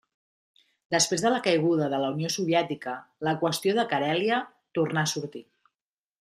Després de la caiguda de la Unió Soviètica la qüestió de Carèlia tornà a sortir.